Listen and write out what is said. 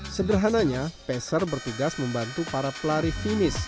sederhananya peser bertugas membantu para pelari finish